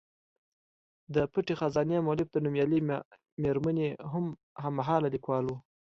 د پټې خزانې مولف د نومیالۍ میرمنې هم مهاله لیکوال و.